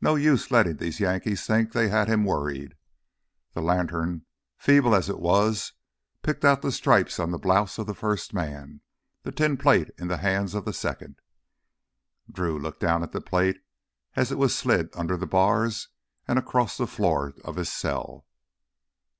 No use letting these Yankees think they had him worried. The lantern, feeble as it was, picked out the stripes on the blouse of the first man, the tin plate in the hands of the second. Drew looked down at the plate as it was slid under the bars and across the floor of his cell.